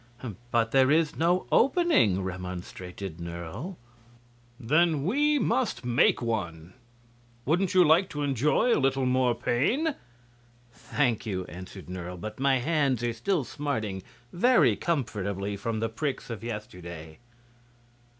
"But there is no opening," remonstrated Nerle. "Then we must make one. Wouldn't you like to enjoy a little more pain?" "Thank you," answered Nerle, "my hands are still smarting very comfortably from the pricks of yesterday."